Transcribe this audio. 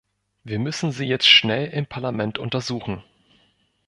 Wir müssen sie jetzt schnell im Parlament untersuchen.